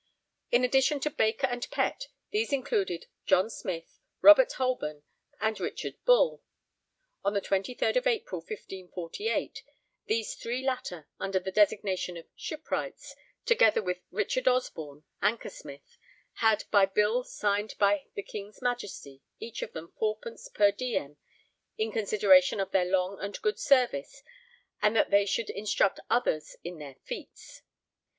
' In addition to Baker and Pett, these included John Smyth, Robert Holborn, and Richard Bull. On the 23rd April 1548 these three latter, under the designation of 'Shipwrights,' together with Richard Osborn, anchor smith, 'had by bill signed by the King's Majesty each of them 4_d._ per diem in consideration of their long and good service and that they should instruct others in their feats.'